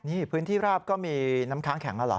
นี่พื้นที่ราบก็มีน้ำค้างแข็งแล้วเหรอ